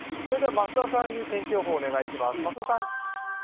増田さんに天気予報をお願いします。